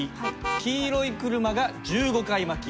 黄色い車が１５回巻き。